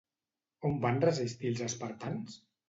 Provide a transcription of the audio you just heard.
On van resistir els espartans?